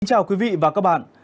xin chào quý vị và các bạn